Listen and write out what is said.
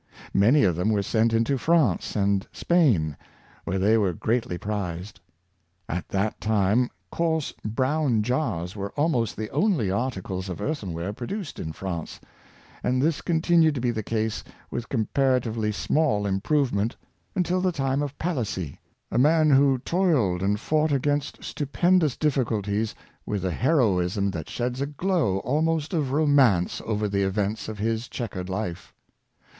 Many of them were sent into France and Spain, where they were greatly prized. At that time coarse brown jars were almost the only articles of earthenware pro duced in France; and this continued to be the case, with comparatively small improvement, until the time of Palissy — a man who toiled and fought against stu pendous difficulties with a heroism that sheds a glow almost of romance over the events of his chequered life.